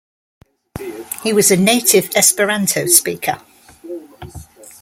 He was a native Esperanto speaker.